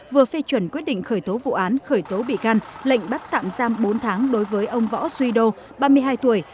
vừa phê chuẩn quyết định khởi tố vụ án khởi tố bị can lệnh bắt tạm giam bốn tháng đối với ông võ duy đô ba mươi hai tuổi